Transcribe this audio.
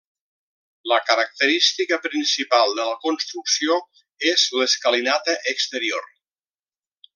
La característica principal de la construcció és l'escalinata exterior.